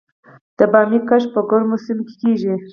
د بامیې کښت په ګرمو سیمو کې کیږي؟